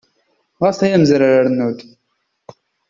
Ɣas ay amezrar rnu-d.